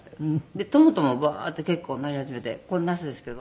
でトマトもバーッて結構なり始めてこれナスですけど。